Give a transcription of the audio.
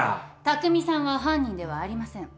拓未さんは犯人ではありません。